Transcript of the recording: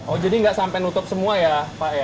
oh jadi nggak sampai nutup semua ya pak ya